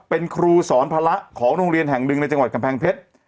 เป็นครูสอนภาระของโรงเรียนแห่งหนึ่งในจังหวัดกำแพงเพชร